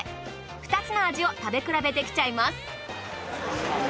２つの味を食べ比べできちゃいます。